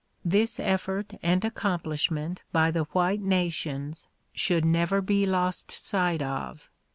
This effort and accomplishment by the white na tions should never be lost sight of.